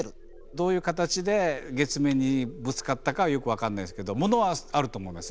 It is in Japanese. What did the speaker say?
どういう形で月面にぶつかったかはよく分かんないですけどものはあると思うんですよ